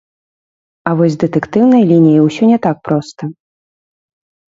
А вось з дэтэктыўнай лініяй усё не так проста.